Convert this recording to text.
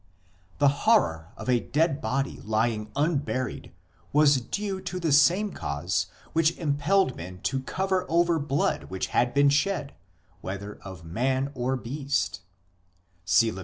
8 The horror of a dead body lying unburied was due to the same cause which impelled men to cover over blood which had been shed, whether of man or beast (see Lev.